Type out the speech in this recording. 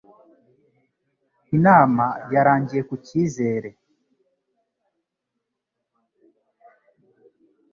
Inama yarangiye ku cyizere.